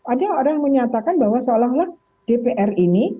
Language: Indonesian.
ada orang menyatakan bahwa seolah olah dpr ini